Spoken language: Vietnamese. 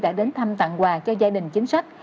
đã đến thăm tặng quà cho gia đình chính sách